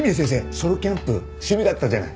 ソロキャンプ趣味だったじゃない。